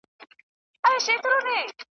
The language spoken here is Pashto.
چي ظالم واکمن ته وځلوي توره .